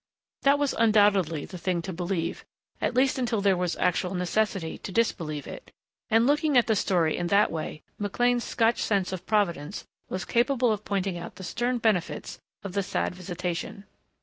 That was undoubtedly the thing to believe, at least until there was actual necessity to disbelieve it, and looking at the story in that way, McLean's Scotch sense of Providence was capable of pointing out the stern benefits of the sad visitation.